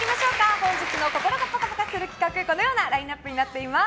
本日の心がぽかぽかする企画このようなラインアップになっております。